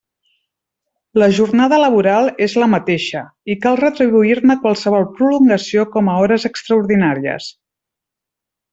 La jornada laboral és la mateixa, i cal retribuir-ne qualsevol prolongació com a hores extraordinàries.